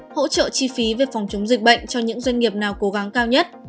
hỗ trợ chi phí về phòng chống dịch bệnh cho những doanh nghiệp nào cố gắng cao nhất